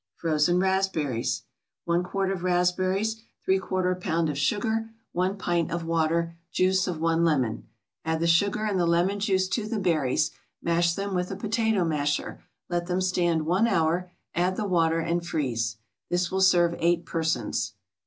FROZEN RASPBERRIES 1 quart of raspberries 3/4 pound of sugar 1 pint of water Juice of one lemon Add the sugar and the lemon juice to the berries, mash them with a potato masher. Let them stand one hour, add the water, and freeze. This will serve eight persons.